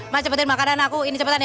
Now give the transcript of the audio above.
mas cepetin makanan aku ini cepet nih